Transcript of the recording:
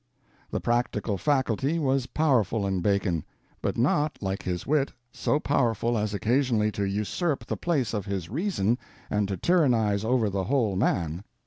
The practical faculty was powerful in Bacon; but not, like his wit, so powerful as occasionally to usurp the place of his reason and to tyrannize over the whole man.